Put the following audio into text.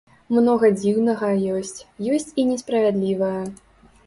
Многа дзіўнага ёсць, ёсць і несправядлівае.